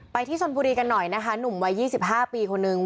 ที่ชนบุรีกันหน่อยนะคะหนุ่มวัย๒๕ปีคนนึง